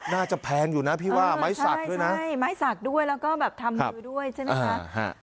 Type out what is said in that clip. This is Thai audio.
แพงอยู่นะพี่ว่าไม้สักด้วยนะใช่ไม้สักด้วยแล้วก็แบบทำมือด้วยใช่ไหมคะ